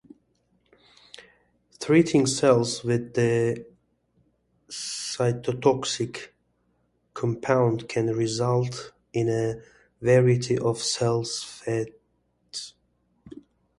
Treating cells with the cytotoxic compound can result in a variety of cell fates.